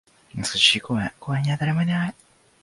懐かしい公園。公園には誰もいない。